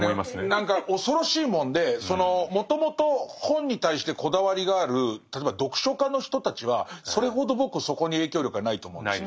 何か恐ろしいもんでもともと本に対してこだわりがある例えば読書家の人たちはそれほど僕そこに影響力はないと思うんです。